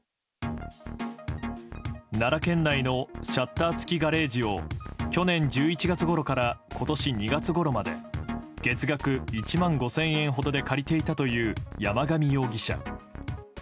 奈良県内のシャッター付きガレージを去年１１月ごろから今年２月ごろまで月額１万５０００円ほどで借りていたという山上容疑者。